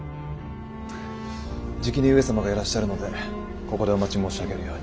じきに上様がいらっしゃるのでここでお待ち申し上げるように。